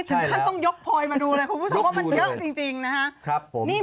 ฉันต้องยกพอยไม่ดู